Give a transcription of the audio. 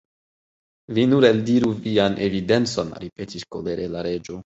"Vi nur eldiru vian evidencon," ripetis kolere la Reĝo.